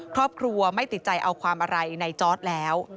ครอบครัวไม่ติดใจเอาความอะไรในจอร์ดแล้ว